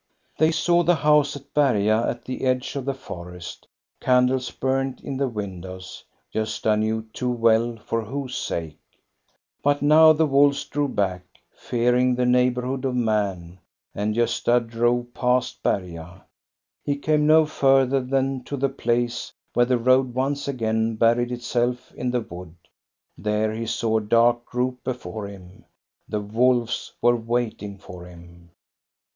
They saw the house at Berga at the edge of the forest. Candles burned in the windows. Gosta knew too well for whose sake. But now the wolves drew back, fearing the neigh borhood of man, and Gosta drove past Berga. He came no further than to the place where the road once again buried itself in the wood ; there he saw a dark group before him, — the wolves were waiting for him.